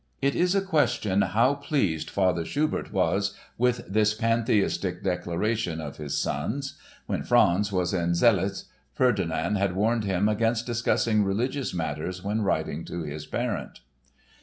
It is a question how pleased Father Schubert was with this pantheistic declaration of his son's; when Franz was in Zseliz, Ferdinand had warned him against discussing religious matters when writing to his parent.